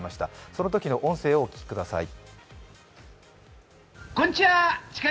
そのときの音声をお聞きください。